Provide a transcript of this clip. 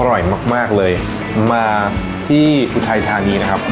อร่อยมากมากเลยมาที่อุทัยธานีนะครับ